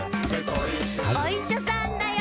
「おいしゃさんだよ」